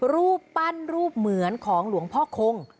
รูปปั้นรูปเหมือนของหลวงพ่อคง